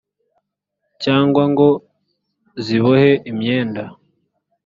cyangwa ngo zibohe imyenda